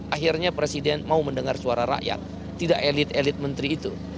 akhirnya presiden mau mendengar suara rakyat tidak elit elit menteri itu